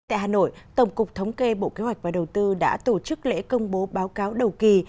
tại hà nội tổng cục thống kê bộ kế hoạch và đầu tư đã tổ chức lễ công bố báo cáo đầu kỳ